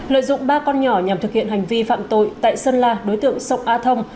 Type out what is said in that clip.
lợi dụng ba con nhỏ nhằm thực hiện hành vi phạm tội tại sơn la đối tượng sông a thông